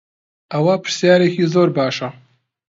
ئەوە پرسیارێکی زۆر باشە.